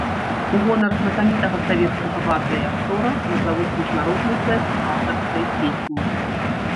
У гонар знакамітага савецкага барда і актора назавуць міжнародны фэст аўтарскай песні.